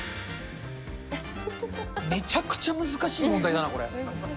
めちゃくちゃ難しい問題だな、これ。